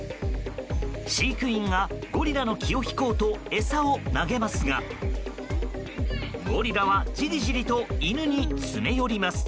飼育員がゴリラの気を引こうと餌を投げますがゴリラはじりじりと犬に詰め寄ります。